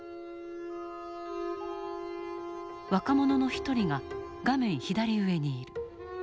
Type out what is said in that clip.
若者の一人が画面左上にいる。